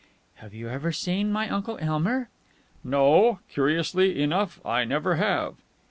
"Have you ever seen my Uncle Elmer?" "No. Curiously enough, I never have."